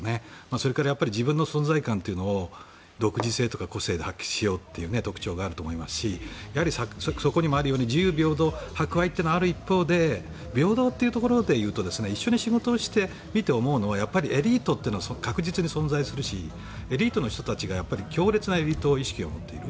それから、自分の存在感というのを独自性、個性を発揮しようという特徴があると思いますし自由・平等・博愛がある一方で平等というところでいうと一緒に仕事をしてみて思うのはエリートというのは確実に存在するしエリートの人たちが強烈なエリート意識を持っている。